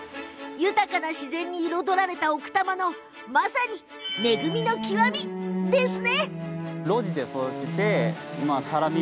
豊かな自然に彩られた奥多摩の、まさに恵みの極みです。